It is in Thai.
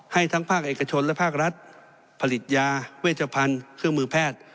ให้ทั้งภาคเอกชนและภาครัฐผลิตยาเวชพันธุ์เครื่องมือแพทย์